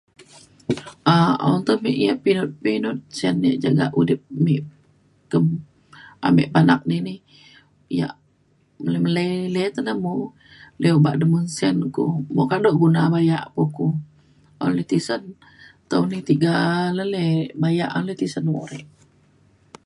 um untuk pi- yak pinut pinut sin di jagak udip me kem ame panak dini yak melei melei le te na mo le obak deme sin ku. buk kado guna bayak buku. le ilu tisen tau ni tiga ale bayak ilu tisen mo re